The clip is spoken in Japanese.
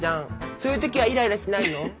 そういう時はイライラしないの？